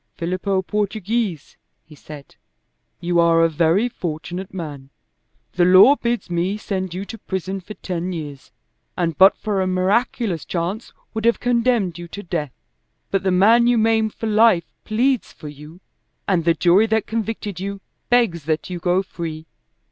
"Filippo Portoghese," he said, "you are a very fortunate man. The law bids me send you to prison for ten years, and but for a miraculous chance would have condemned you to death. But the man you maimed for life pleads for you, and the jury that convicted you begs that you go free.